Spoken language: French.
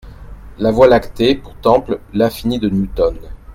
La Voie lactée pour temple, l'infini de Newton.